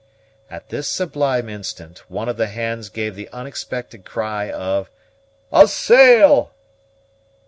At this sublime instant one of the hands gave the unexpected cry of "A sail!"